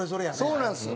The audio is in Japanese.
そうなんですよ。